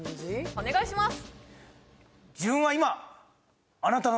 お願いします！